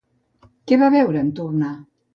Què va veure en tornar?